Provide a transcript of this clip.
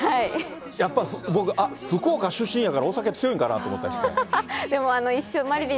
やっぱり、あっ、福岡出身やからお酒強いんかなと思ったりして。